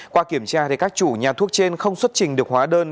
qua kiểm tra các chủ nhà thuốc trên không xuất trình được hóa đơn